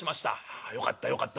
「ああよかったよかった。